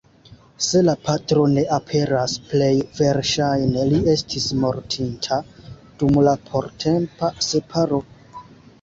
Se la patro ne aperas, plej verŝajne li estis mortinta dum la portempa separo.